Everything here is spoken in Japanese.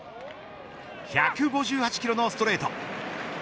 １５８キロのストレート。